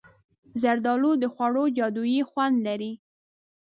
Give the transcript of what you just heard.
زردالو د خوړو جادويي خوند لري.